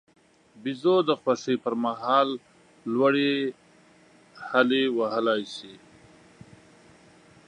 بیزو د خوښۍ پر مهال لوړې هلې وهلای شي.